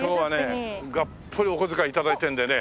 今日はねがっぽりお小遣い頂いてるんでね